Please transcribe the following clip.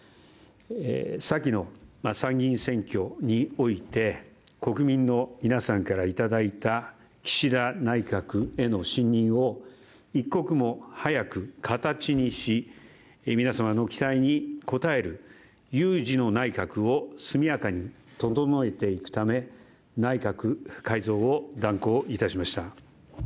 さきの参議院選挙において国民の皆さんからいただいた岸田内閣への信任を一刻も早く形にし皆様の期待に応える有事の内閣を速やかに整えていくため内閣改造を断行いたしました。